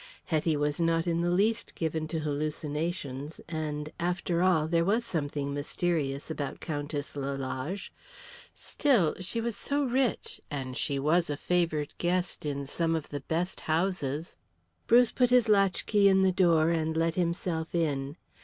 Hetty was not in the least given to hallucinations, and, after all, there was something mysterious about Countess Lalage. Still, she was so rich, and she was a favoured guest in some of the best houses. Bruce put his latchkey in the door and let himself in.